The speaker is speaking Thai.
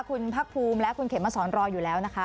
คุณพักภูมิและคุณเขมมาสอนรออยู่แล้วนะคะ